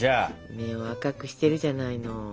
目を赤くしてるじゃないの。